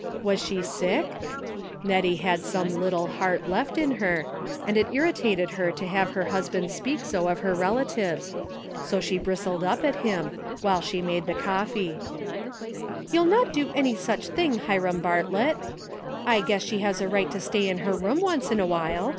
Was she sick? Nettie had some little heart left in her, and it irritated her to have her husband speak so of her relatives, so she bris tled up at him, while she made the coffee. A DAILY BATE A ^ 93 " You'll not do any such thing, Hiram Bart lett. I guess she has a right to stay in her room once in a while.